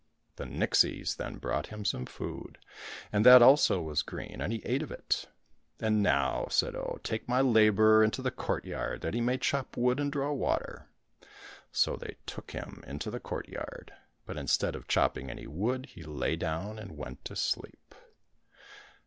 The nixies then brought him some food, and that also was green, and he ate of it. " And now," said Oh, " take my labourer into the courtyard that he may chop wood and draw water." So they took him into the courtyard, but instead of chopping any wood he lay down and went to sleep.